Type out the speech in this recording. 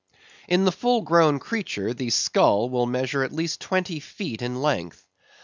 In the full grown creature the skull will measure at least twenty feet in length.